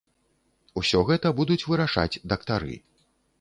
Усё гэта будуць вырашаць дактары.